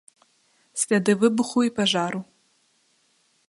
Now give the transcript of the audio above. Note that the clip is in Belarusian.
Сляды выбуху і пажару.